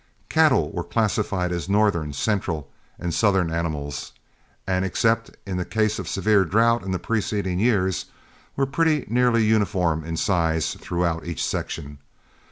Cattle were classified as northern, central, and southern animals, and, except in case of severe drouth in the preceding years, were pretty nearly uniform in size throughout each section.